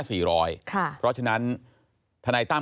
เพราะฉะนั้นทนายตั้ม